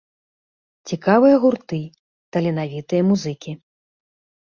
Цікавыя гурты, таленавітыя музыкі.